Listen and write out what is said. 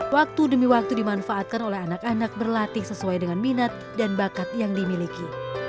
waktu demi waktu dimanfaatkan oleh anak anak berlatih sesuai dengan minat dan bakat yang dimiliki